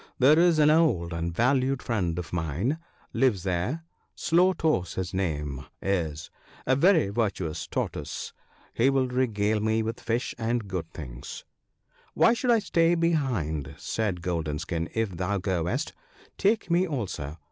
' There is an old and valued friend of mine lives there, —Slow toes his name is, a very virtuous Tor toise; he will regale me with fish and good things.' ' Why should I stay behind,' said Golden skin, ' if thou goest ? Take me also.'